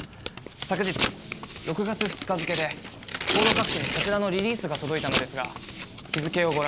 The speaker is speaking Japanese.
昨日６月２日付で報道各所にこちらのリリースが届いたのですが日付をご覧下さい。